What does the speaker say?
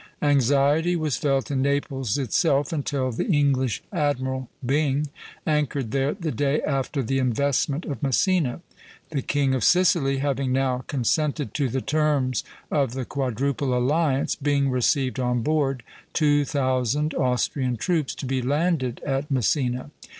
Anxiety was felt in Naples itself, until the English admiral, Byng, anchored there the day after the investment of Messina. The King of Sicily having now consented to the terms of the Quadruple Alliance, Byng received on board two thousand Austrian troops to be landed at Messina.